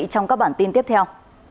trong các bản tin tiếp theo